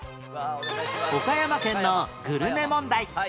岡山県のグルメ問題